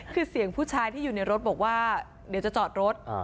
คือเสียงผู้ชายที่อยู่ในรถบอกว่าเดี๋ยวจะจอดรถ